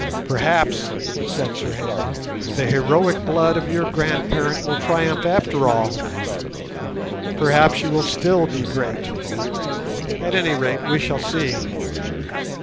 "Perhaps," said Sir Henry, "the heroic blood of your grandparent will triumph after all; perhaps you will still be great. At any rate we shall see.